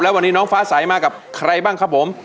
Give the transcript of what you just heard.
วันนี้น้องฟ้าสายมากับใครบ้างครับผม